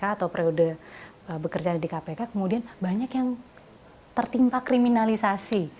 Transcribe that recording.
atau periode bekerja di kpk kemudian banyak yang tertimpa kriminalisasi